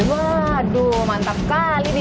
waduh mantap sekali nih